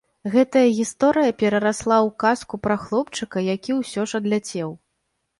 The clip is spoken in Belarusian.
Гэтая гісторыя перарасла ў казку пра хлопчыка, які ўсё ж адляцеў.